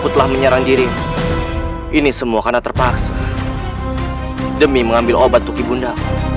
telah menyerang dirimu ini semua karena terpaksa demi mengambil obat tuki bunda